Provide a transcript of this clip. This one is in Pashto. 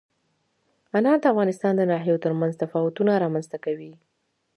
انار د افغانستان د ناحیو ترمنځ تفاوتونه رامنځ ته کوي.